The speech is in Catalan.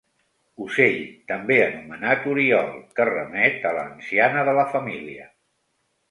Ocell, també anomenat oriol, que remet a l'anciana de la família.